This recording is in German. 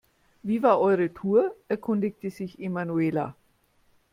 Wie war eure Tour?, erkundigte sich Emanuela.